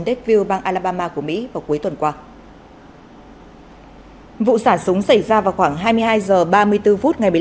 deeview bang alabama của mỹ vào cuối tuần qua vụ xả súng xảy ra vào khoảng hai mươi hai h ba mươi bốn phút ngày một mươi năm